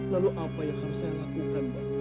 lalu apa yang harus saya lakukan pak